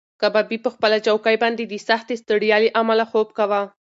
کبابي په خپله چوکۍ باندې د سختې ستړیا له امله خوب کاوه.